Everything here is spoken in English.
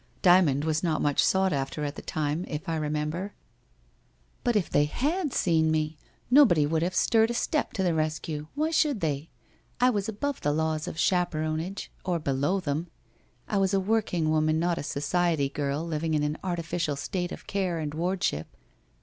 Dymond was not much sought after at the time, if I remember/ ' But if they had seen me, nobody would have stirred a step to the rescue. Why should they? I was above the laws of chaperonage, or below them. I was a working woman, not a society girl living in an artificial state of care and wardship.